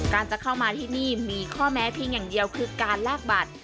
จะเข้ามาที่นี่มีข้อแม้เพียงอย่างเดียวคือการแลกบัตร